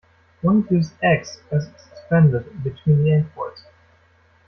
One views "X" as "suspended" between the end points.